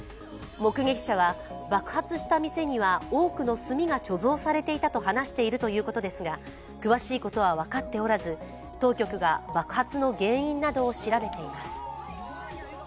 目撃者は、爆発した店には多くの炭が貯蔵されていたと話しているということですが、詳しいことは分かっておらず当局が爆発の原因などを調べています。